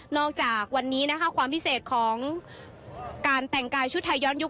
จากวันนี้นะคะความพิเศษของการแต่งกายชุดไทยย้อนยุค